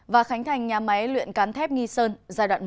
và khánh thành nhà máy luyện cán thép nghi sơn giai đoạn một